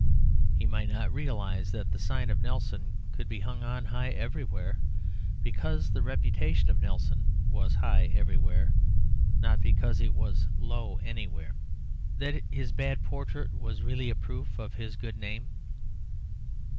He might not realise that the sign of Nelson could be hung on high everywhere, because the reputation of Nelson was high everywhere, not because it was low anywhere; that his bad portrait was really a proof of his good name.